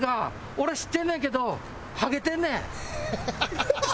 俺知ってんねんけどハゲてんねん。